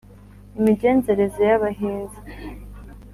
imigenzereze y’abahinza